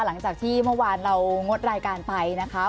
หลังจากที่เมื่อวานเรางดรายการไปนะคะ